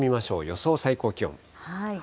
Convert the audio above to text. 予想最高気温。